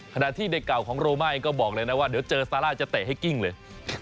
ขณะที่เด็กเก่าของโรมาเองก็บอกเลยนะว่าเดี๋ยวเจอซาร่าจะเตะให้กิ้งเลย